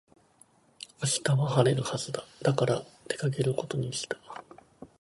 明日は晴れるはずだ。だから出かけることにした。